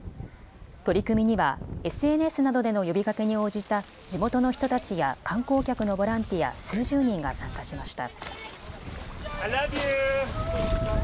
取り組みにはＳＮＳなどでの呼びかけに応じた地元の人たちや観光客のボランティア数十人が参加しました。